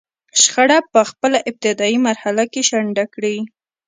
شخړه په خپله ابتدايي مرحله کې شنډه کړي.